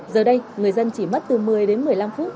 giờ đây người dân chỉ mất từ một mươi đến một mươi năm phút